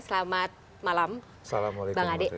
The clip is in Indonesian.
selamat malam bang adi